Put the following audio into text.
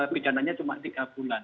pidananya cuma tiga bulan